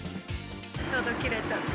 ちょうど切れちゃって。